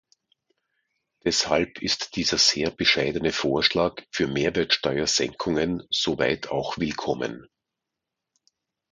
Deshalb ist dieser sehr bescheidene Vorschlag für Mehrwertsteuersenkungen so weit auch willkommen.